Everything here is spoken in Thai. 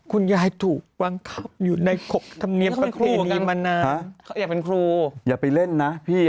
คุณยายถูกวางเข้าอยู่ในขวบธรรมเนียมประเพณี